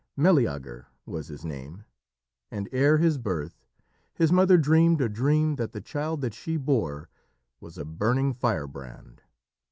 Meleager was his name, and ere his birth his mother dreamed a dream that the child that she bore was a burning firebrand.